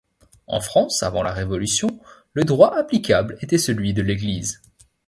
En France, avant la Révolution, le droit applicable était celui de l'Église.